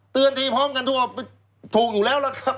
ทีพร้อมกันทั่วถูกอยู่แล้วล่ะครับ